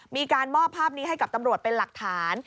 มีการมอบภาพนี้ให้กับตำรวจเป็นหลักฐาน